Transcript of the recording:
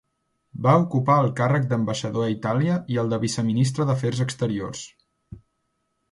Va ocupar el càrrec d'ambaixador a Itàlia i el de viceministre d'Afers Exteriors.